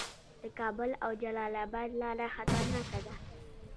د کابل او جلال اباد لاره خطرناکه ده